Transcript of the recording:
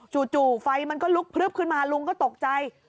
ไฟมันก็ลุกพลึบขึ้นมาลุงก็ตกใจ